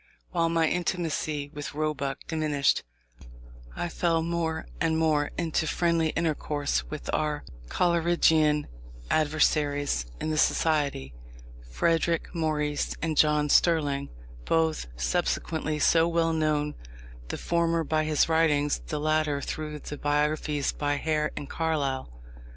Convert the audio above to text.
While my intimacy with Roebuck diminished, I fell more and more into friendly intercourse with our Coleridgian adversaries in the Society, Frederick Maurice and John Sterling, both subsequently so well known, the former by his writings, the latter through the biographies by Hare and Carlyle.